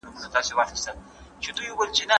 احمد شاه ابدالي څنګه د سیمې د ثبات لپاره کار کاوه؟